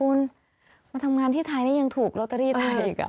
คุณมาทำงานที่ไทยนี่ยังถูกลอตเตอรี่ไทยอีก